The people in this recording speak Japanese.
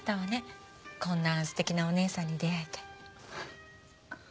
こんなすてきなお姉さんに出会えて。